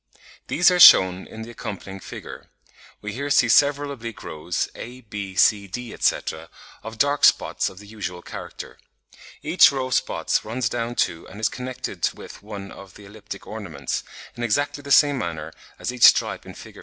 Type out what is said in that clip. These are shewn in the accompanying figure (Fig. 59). We here see several oblique rows, A, B, C, D, etc. (see the lettered diagram on the right hand), of dark spots of the usual character. Each row of spots runs down to and is connected with one of the elliptic ornaments, in exactly the same manner as each stripe in Fig.